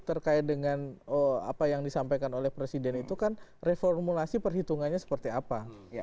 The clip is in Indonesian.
terkait dengan apa yang disampaikan oleh presiden itu kan reformulasi perhitungannya seperti apa